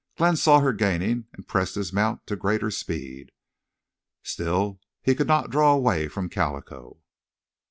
Glenn saw her gaining and pressed his mount to greater speed. Still he could not draw away from Calico.